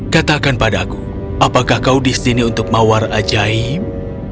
katakan padaku apakah kau di sini untuk mawar ajaib